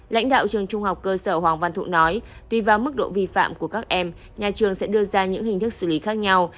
lãnh đạo trường trung học cơ sở hoàng văn thụ nói tùy vào mức độ vi phạm của các em nhà trường sẽ đưa ra những hình thức xử lý khác nhau